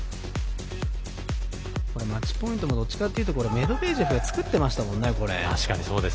マッチポイントもどっちかっていうとメドベージェフが作っていましたもんね。